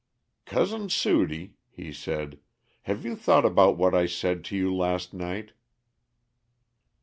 "Cousin Sudie," he said, "have you thought about what I said to you last night?"